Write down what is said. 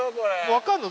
分かんの？